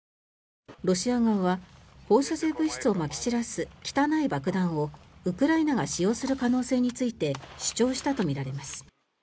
ロシア側は放射性物質をまき散らす汚い爆弾をウクライナが使用する可能性について主張したとみられます。